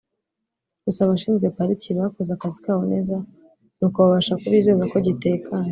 Gusa abashinzwe Pariki bakoze akazi kabo neza nuko babasha kubizeza ko gitekanye